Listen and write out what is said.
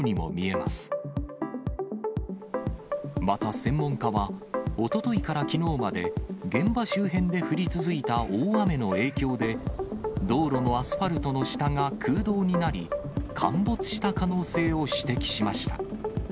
また専門家は、おとといからきのうまで現場周辺で降り続いた大雨の影響で、道路のアスファルトの下が空洞になり、陥没した可能性を指摘しました。